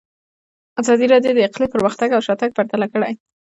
ازادي راډیو د اقلیم پرمختګ او شاتګ پرتله کړی.